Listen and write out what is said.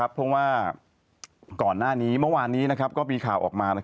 เพราะว่าก่อนหน้านี้เมื่อวานนี้ก็มีข่าวออกมา